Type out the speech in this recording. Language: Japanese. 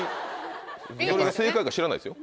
それが正解か知らないですよ。